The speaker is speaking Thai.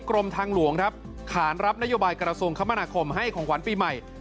กรมทางหลวงครับขานรับนโยบายกระทรวงคมนาคมให้ของขวัญปีใหม่